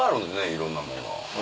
いろんなもんが。